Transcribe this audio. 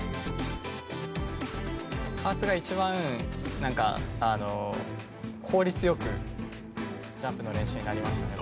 加圧が一番効率よくジャンプの練習になりましたね。